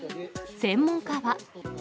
専門家は。